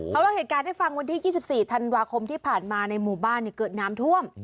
เขาเล่าเหตุการณ์ให้ฟังวันที่๒๔ธันวาคมที่ผ่านมาในหมู่บ้านเกิดน้ำท่วม